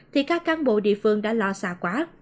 thì các cán bộ địa phương đã lo xa quá